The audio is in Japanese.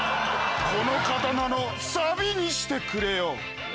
この刀の錆にしてくれよう。